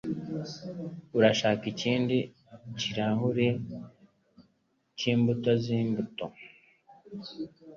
Urashaka ikindi kirahuri cyimbuto zimbuto?